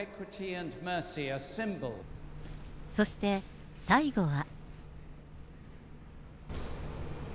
そして、最後は。